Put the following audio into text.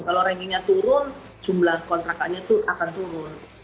kalau rankingnya turun jumlah kontrakannya itu akan turun